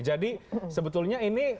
jadi sebetulnya ini